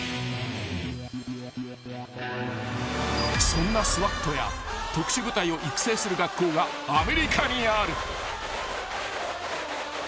［そんなＳＷＡＴや特殊部隊を育成する学校がアメリカにある］